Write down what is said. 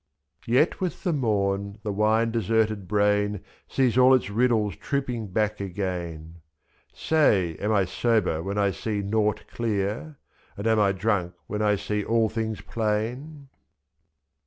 Yet with the morn, the wine deserted brain Sees all its riddles trooping back again; 2^^Say, am I sober when I see nought clear? And am I drunk when I see all things plain